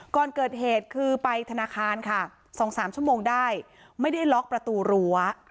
ก่อนเกิดเหตุคือไปธนาคารค่ะ๒๓ชั่วโมงได้ไม่ได้ล็อกประตูรั้ว